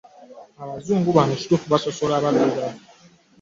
Abazungu bonna kituufu basosola a addugavu?